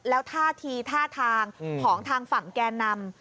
แล้วท่าทีท่าทางของทางฝั่งแกนนำ